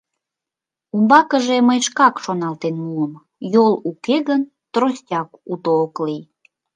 Умбакыже мый шкак шоналтен муым: йол уке гын, тростят уто ок лий.